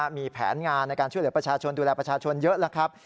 มีแผนงานในการช่วยเหลือประชาชนดูแลประชาชนเยอะแล้วครับ